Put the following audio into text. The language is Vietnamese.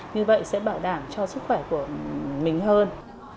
như vậy sẽ bảo đảm cho sức khỏe của mình hơn